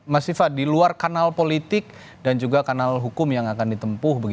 mas viva di luar kanal politik dan juga kanal hukum yang akan ditempuh